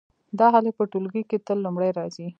دا هلک په ټولګي کې تل لومړی راځي